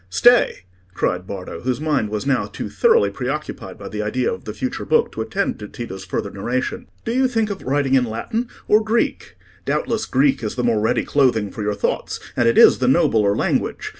"Stay!" cried Bardo, whose mind was now too thoroughly preoccupied by the idea of the future book to attend to Tito's further narration. "Do you think of writing in Latin or Greek? Doubtless Greek is the more ready clothing for your thoughts, and it is the nobler language.